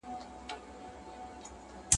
که يو څوک پر شرعي معيارونو برابر وو.